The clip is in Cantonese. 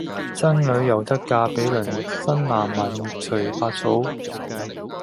生女猶得嫁比鄰，生男埋沒隨百草！